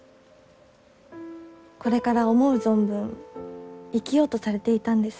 これから思う存分生きようとされていたんです。